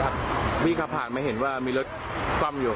คำแรงว่ามีรถต้ำอยู่